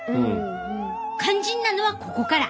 肝心なのはここから！